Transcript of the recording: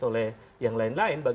oleh yang lain lain